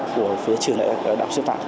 của trường đạo sư phạm